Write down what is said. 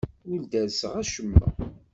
Ur derrseɣ acemma.